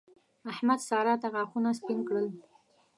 احمد؛ سارا ته غاښونه سپين کړل.